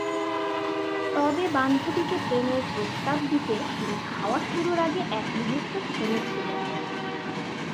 তবে বান্ধবীকে প্রেমের প্রস্তাব দিতে তিনি খাওয়া শুরুর আগে একমুহূর্ত থেমেছিলেন।